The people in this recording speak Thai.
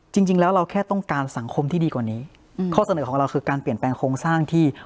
จริงแล้วเราแค่ต้องการสังคมที่ดีกว่านี้อืมข้อเสนอของเราคือการเปลี่ยนแปลงโครงสร้างที่